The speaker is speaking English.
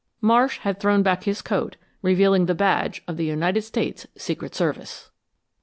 Marsh had thrown back his coat, revealing the badge of the United States Secret Service!